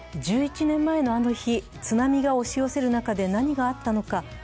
１１年前のあの日、津波が押し寄せる中で何があったのか。